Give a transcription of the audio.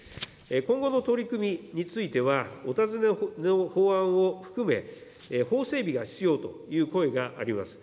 今後の取り組みについては、お尋ねの法案を含め、法整備が必要という声があります。